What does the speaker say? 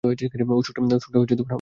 অসুখটা আপনার মনে না তো?